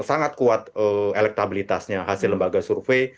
sangat kuat elektabilitasnya hasil lembaga survei